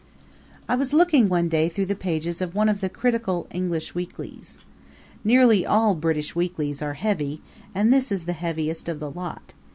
I was looking one day through the pages of one of the critical English weeklies. Nearly all British weeklies are heavy, and this is the heaviest of the lot.